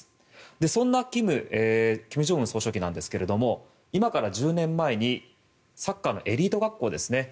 そんな金正恩総書記なんですが今から１０年前にサッカーのエリート学校ですね。